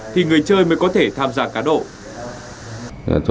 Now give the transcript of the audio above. thì người chơi mới có thể tham gia cá độ